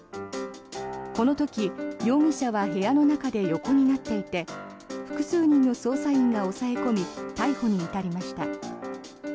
この時、容疑者は部屋の中で横になっていて複数人の捜査員が押さえ込み逮捕に至りました。